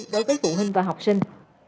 đối với phụ huynh và học sinh